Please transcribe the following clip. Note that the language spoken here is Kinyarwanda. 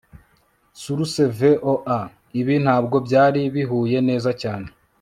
SourceVOA Ibi ntabwo byari bihuye neza cyane